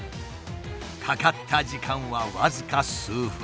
かかった時間は僅か数分。